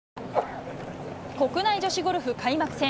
国内女子ゴルフ開幕戦。